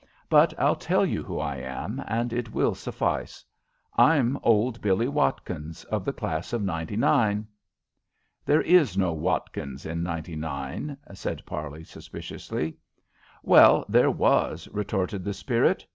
"But I'll tell you who I am and it will suffice. I'm old Billie Watkins, of the class of ninety nine." "There is no Watkins in ninety nine," said Parley, suspiciously. "Well, there was," retorted the spirit.